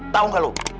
tau gak lu